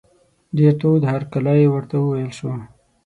ډېر تود هرکلی ورته وویل شو.